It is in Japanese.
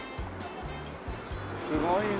すごいね。